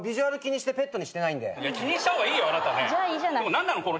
何なの？